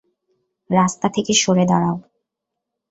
রাস্তা থেকে সরে দাঁড়াও!